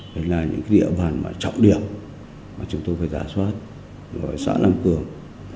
đấy là những địa bàn trọng điểm mà chúng tôi phải rà soát rồi xã nam cường